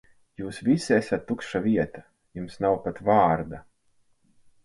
Jūs visi esat tukša vieta, jums nav pat vārda.